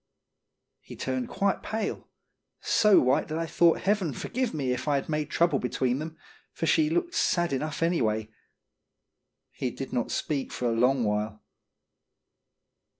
He turned quite pale, so white that I thought Heaven forgive me if I'd made trouble between them, for she looked sad enough anyway. He did not speak for a long while.